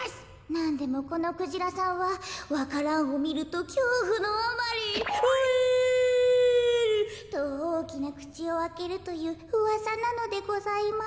なんでもこのクジラさんはわか蘭をみるときょうふのあまりホエールとおおきなくちをあけるといううわさなのでございます。